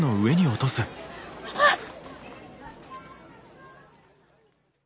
あっ！